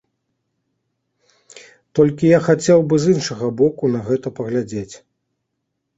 Толькі я хацеў бы з іншага боку на гэта паглядзець.